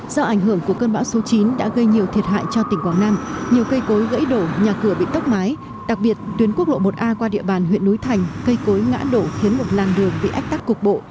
do ảnh hưởng của cơn bão số chín đã gây nhiều thiệt hại cho tỉnh quảng nam nhiều cây cối gãy đổ nhà cửa bị tốc mái đặc biệt tuyến quốc lộ một a qua địa bàn huyện núi thành cây cối ngã đổ khiến một làn đường bị ách tắc cục bộ